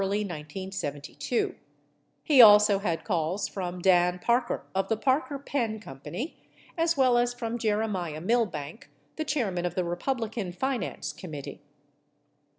He also had calls from Dan Parker of the Parker Pen Co., as well as from Jeremiah Milbank, the chairman of the Republican Finance Committee.